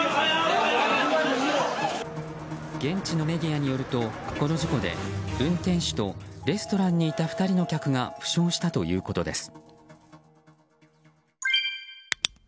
現地のメディアによるとこの事故で運転手とレストランにいた２人の客が負傷したということです。